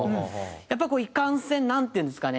やっぱこういかんせんなんていうんですかね。